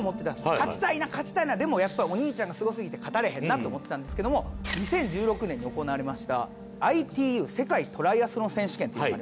勝ちたいな勝ちたいなでもやっぱお兄ちゃんがすごすぎて勝たれへんなと思ってたんですけども２０１６年に行われましたＩＴＵ世界トライアスロン選手権っていうのがありまして。